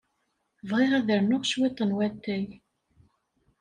Bɣiɣ ad rnuɣ cwiṭ n watay.